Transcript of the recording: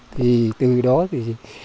thì từ đó thì